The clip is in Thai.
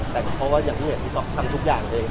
แต่เพราะอย่างที่เหนือที่ก็ทำทุกอย่างเอง